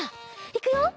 いくよ。